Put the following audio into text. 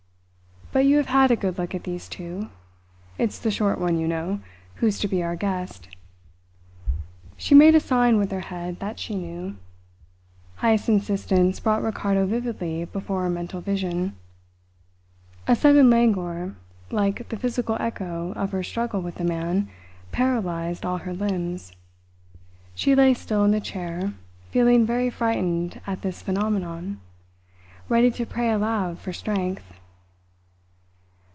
But you have had a good look at these two. It's the short one, you know, who's to be our guest." She made a sign with her head that she knew; Heyst's insistence brought Ricardo vividly before her mental vision. A sudden languor, like the physical echo of her struggle with the man, paralysed all her limbs. She lay still in the chair, feeling very frightened at this phenomenon ready to pray aloud for strength.